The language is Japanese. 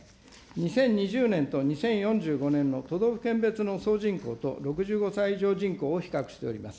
２０２０年と２０４５年の都道府県別の総人口と６５歳以上人口を比較しております。